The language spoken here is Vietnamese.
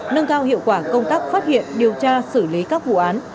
nâng cao hiệu quả công tác phát hiện điều tra xử lý các vụ án